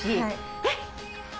えっ！